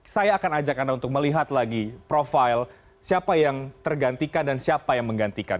saya akan ajak anda untuk melihat lagi profil siapa yang tergantikan dan siapa yang menggantikan